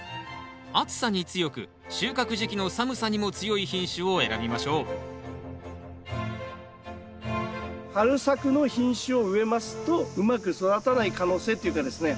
暑さに強く収穫時期の寒さにも強い品種を選びましょう春作の品種を植えますとうまく育たない可能性っていうかですね